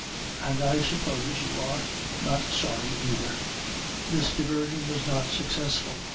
And I suppose you are not sorry either." This diversion was not successful. Mr.